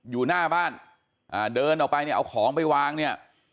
อยู่หน้าบ้านอ่าเดินออกไปเนี่ยเอาของไปวางเนี่ย